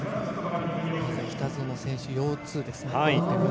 北園選手、ヨー２ですね。